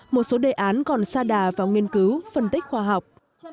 một số đề án còn xa đà vào nghiên cứu phân tích khoa học